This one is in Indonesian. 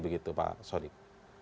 begitu pak sodik